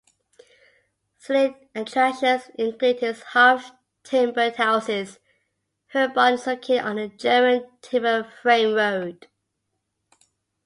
Scenic attractions include its half-timbered houses; Herborn is located on the German Timber-Frame Road.